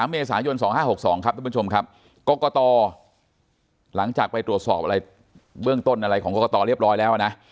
เมษายน๒๕๖๒ครับทุกผู้ชมครับกรกตหลังจากไปตรวจสอบอะไรเบื้องต้นอะไรของกรกตเรียบร้อยแล้วนะ